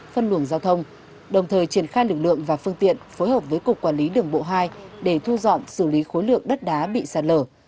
phân luồng giao thông đồng thời triển khai lực lượng và phương tiện phối hợp với cục quản lý đường bộ hai để thu dọn xử lý khối lượng đất đá bị sạt lở